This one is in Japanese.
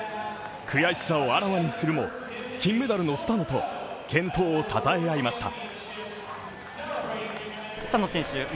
悔しさをあらわにするも金メダルのスタノと健闘をたたえ合いました。